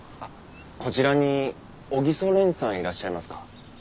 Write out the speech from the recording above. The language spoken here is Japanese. こちらに小木曽蓮さんいらっしゃいますか？